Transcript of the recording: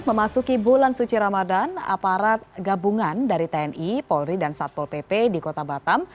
memasuki bulan suci ramadan aparat gabungan dari tni polri dan satpol pp di kota batam